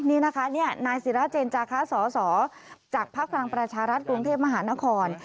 นี่นะคะนี่นายสิราเจนจาค้าศจากภาพกรรณประชารัฐกรุงเทพมหานคร